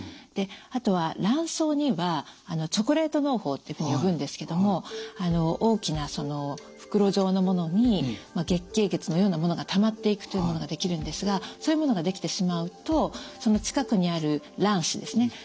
であとは卵巣にはチョコレートのう胞っていうふうに呼ぶんですけども大きなその袋状のものに月経血のようなものがたまっていくというものができるんですがそういうものができてしまうとその近くにある卵子ですね